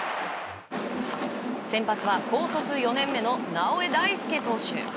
先発は高卒４年目の直江大輔選手。